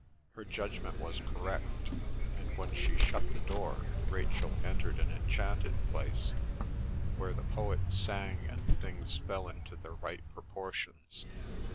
Her judgment was correct, and when she shut the door Rachel entered an enchanted place, where the poets sang and things fell into their right proportions.